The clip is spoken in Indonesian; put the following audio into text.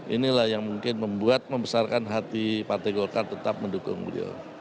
inilah yang mungkin membuat membesarkan hati partai golkar tetap mendukung beliau